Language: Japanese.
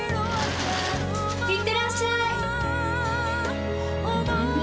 いってらっしゃい！